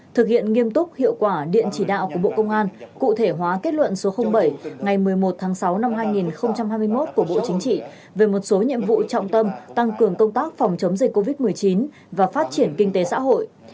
thực hiện nghiêm túc hiệu quả điện chỉ đạo của bộ công an cụ thể hóa kết luận số bảy ngày một mươi một tháng sáu năm hai nghìn hai mươi một của bộ chính trị về một số nhiệm vụ trọng tâm tăng cường công tác phòng chống dịch covid một mươi chín và phát triển kinh tế xã hội